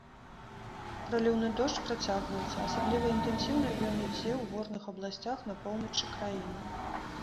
Праліўны дождж працягваецца, асабліва інтэнсіўна ён ідзе ў горных абласцях на поўначы краіны.